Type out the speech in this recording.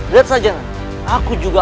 lihat saja aku juga